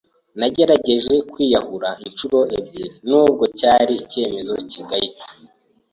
Nagerageje kwiyahura incuro ebyiri n’ubwo cyari icyemezo kigayitse,